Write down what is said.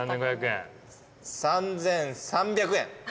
３，３００円。